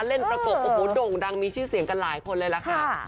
เล่นประกบโด่งดังมีชื่อเสียงกันหลายคนเลยค่ะ